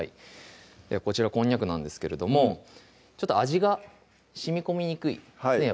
こちらこんにゃくなんですけれども味がしみこみにくいですね